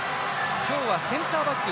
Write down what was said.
今日はセンターバック